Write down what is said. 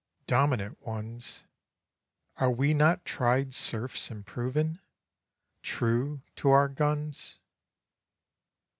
Dominant ones, _Are we not tried serfs and proven true to our guns?